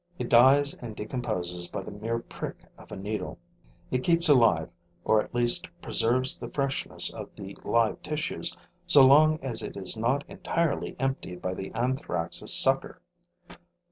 It dies and decomposes by the mere prick of a needle; it keeps alive, or at least preserves the freshness of the live tissues, so long as it is not entirely emptied by the Anthrax' sucker.